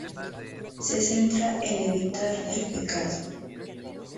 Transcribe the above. Se centra en evitar el pecado.